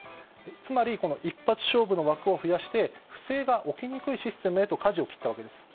つまり、一発勝負の枠を増やして不正が起きにくいシステムへとかじを切ったわけです。